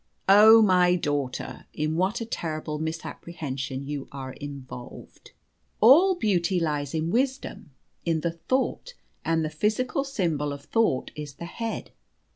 Oh, my daughter, in what a terrible misapprehension you are involved! All beauty lies in wisdom, in the thought; and the physical symbol of thought is the head.